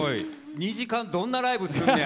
２時間、どんなライブすんね